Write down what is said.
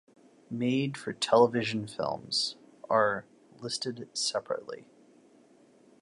Made-for-television films are listed separately.